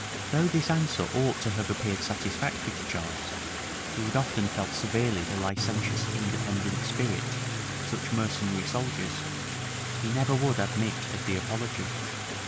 [] Though this answer ought to have appeared satisfactory to Charles, who had often felt severely the licentious independent spirit of such mercenary soldiers, he never would admit of the apology.